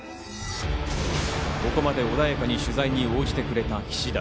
ここまで穏やかに取材に応じてくれた菱田。